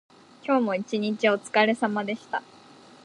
今日も一日おつかれさまでした。